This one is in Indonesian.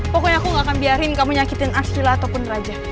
pokoknya aku gak akan biarin kamu nyakitin astila ataupun raja